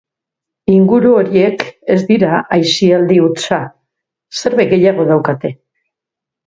Inguru horiek ez dira aisialdi hutsa, zerbait gehiago daukate.